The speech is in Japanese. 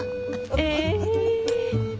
え。